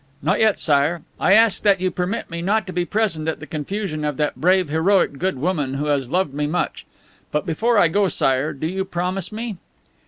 "Not yet, Sire. I ask that you permit me not to be present at the confusion of that brave, heroic, good woman who has loved me much. But before I go, Sire do you promise me?"